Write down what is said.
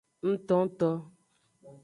Ngtongto.